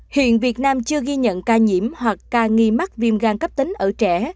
hiện việt nam chưa ghi nhận ca nhiễm hoặc ca nghi mắc viêm gan cấp tính ở trẻ